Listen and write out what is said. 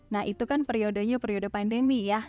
nah itu kan periodenya periode pandemi ya